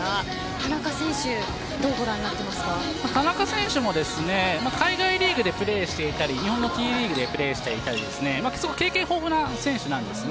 田中選手田中選手も海外リーグでプレーをしていたり日本のＴリーグでプレーしていたり経験豊富な選手です。